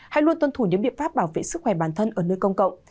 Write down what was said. hãy luôn tuân thủ những biện pháp bảo vệ sức khỏe bản thân ở nơi công cộng